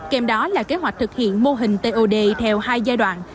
kèm đó là kế hoạch thực hiện mô hình tod theo hai giai đoạn